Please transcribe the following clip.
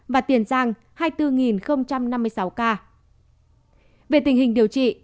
về tình hình điều trị